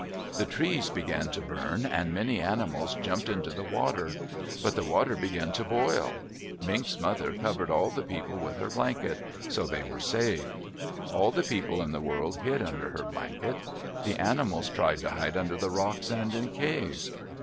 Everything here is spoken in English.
The trees began to burn and many animals jumped into the water. But the water began to boil. Mink's mother covered all the people with her blanket, so they were saved. All the people in the world hid under her blanket. The animals tried to hide under the rocks and in caves.